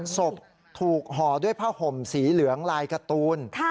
ศพถูกห่อด้วยผ้าห่มสีเหลืองลายการ์ตูน